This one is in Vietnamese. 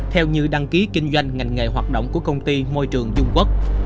theo như đăng ký kinh doanh ngành nghề hoạt động của công ty môi trường dung quốc